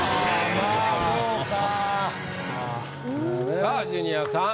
さぁジュニアさん。